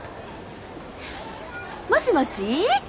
もしもし？